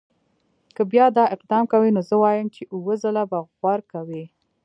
که بیا دا اقدام کوي نو زه وایم چې اووه ځله به غور کوي.